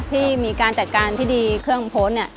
ที่มีการจัดการที่ดีเครื่องโพสต์เนี่ย